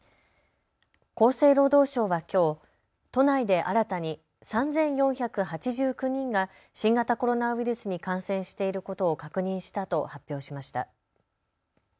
厚生労働省はきょう、都内で新たに３４８９人が新型コロナウイルスに感染していることを確認したと発表しました。